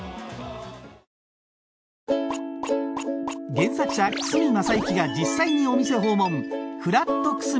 原作者久住昌之が実際にお店訪問